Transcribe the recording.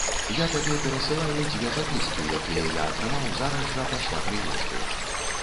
Я табе перасылаю дзве запіскі, якія я атрымаў зараз жа пасля прыезду.